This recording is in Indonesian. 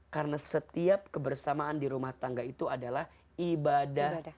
karena setiap kebersamaan di rumah tangga itu adalah ibadah